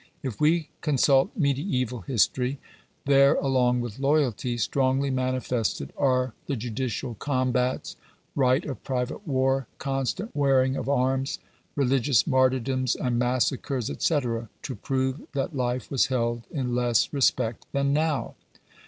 If we consult mediaeval history, there, along with loyalty strongly manifested, are the judicial combats, right of private war, con stant wearing of arms, religious martyrdoms and massacres, &c., to prove that life was held in less respect than now.